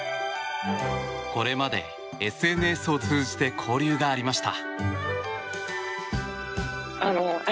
これまでＳＮＳを通じて交流がありました。